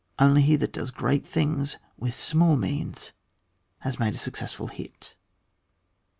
Only he that does great things with small means has made a sue cessAil hit.